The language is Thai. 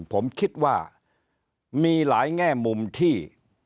ผมคิดว่ามีหลายแง่มุมที่